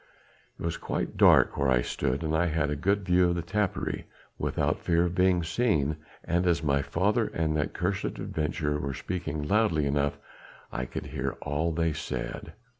It was quite dark where I stood and I had a good view of the tapperij without fear of being seen, and as my father and that cursed adventurer were speaking loudly enough I could hear all that they said."